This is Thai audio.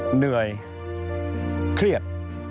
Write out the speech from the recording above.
เหนื่อยเครียด